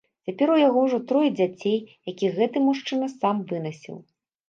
Цяпер у яго ўжо трое дзяцей, якіх гэты мужчына сам вынасіў.